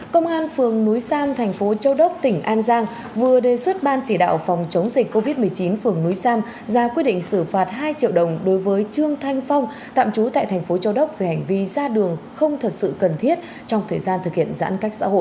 công an phường núi sam thành phố châu đốc tỉnh an giang vừa đề xuất ban chỉ đạo phòng chống dịch covid một mươi chín phường núi sam ra quyết định xử phạt hai triệu đồng đối với trương thanh phong tạm trú tại thành phố châu đốc về hành vi ra đường không thật sự cần thiết trong thời gian thực hiện giãn cách xã hội